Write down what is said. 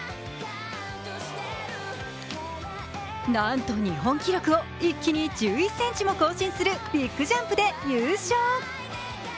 なんと日本記録を一気に１１ｃｍも更新するビッグジャンプで優勝。